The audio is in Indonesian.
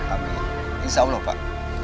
amin insya allah pak